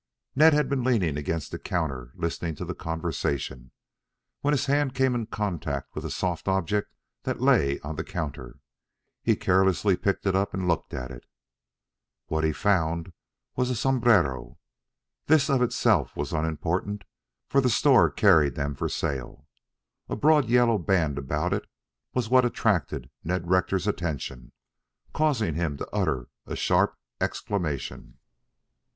Ned had been leaning against the counter listening to the conversation, when his hand came in contact with a soft object that lay on the counter. He carelessly picked it up and looked at it. What he had found was a sombrero. This of itself was unimportant, for the store carried them for sale. A broad, yellow band about it was what attracted Ned Rector's attention, causing him to utter a sharp exclamation.